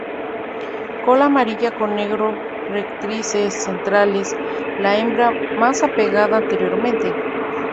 Cola amarilla con negro rectrices centrales. La hembra, más apagada anteriormente.